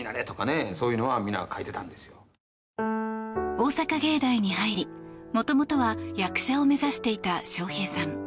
大阪芸大に入りもともとは役者を目指していた笑瓶さん。